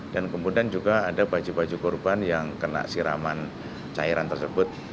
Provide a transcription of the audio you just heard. dan kemudian juga ada baju baju korban yang kena siraman cairan tersebut